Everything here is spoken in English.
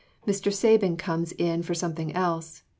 Mr. Sabin comes in for something else.